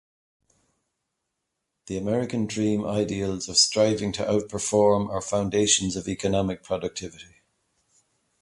The American Dream ideals of striving to outperform are foundations of economic productivity.